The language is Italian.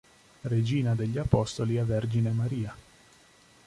Regina degli Apostoli a Vergine Maria.